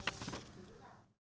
trung tâm kiểm soát bệnh tật tp